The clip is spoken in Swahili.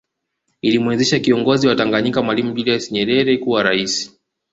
Ilimwezesha kiongozi wa Tanganyika Mwalimu Julius Nyerere kuwa rais